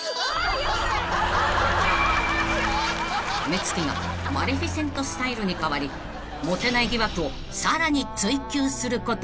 ［目つきがマレフィセントスタイルに変わりモテない疑惑をさらに追及することに］